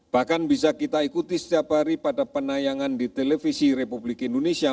bahkan bisa kita ikuti setiap hari pada penayangan di televisi republik indonesia